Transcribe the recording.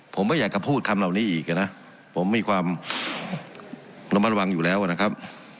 ผมไม่อยากจะพูดคำเหล่านี้อีกนะผมมีความระมัดระวังอยู่แล้วนะครับ